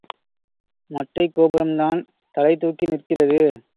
மொட்டைக் கோபுரம்தான் தலை தூக்கி நிற்கிறது.